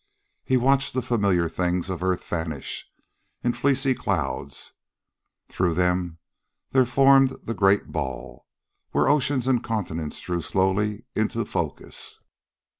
He watched the familiar things of earth vanish in fleecy clouds; through them there formed the great ball, where oceans and continents drew slowly into focus.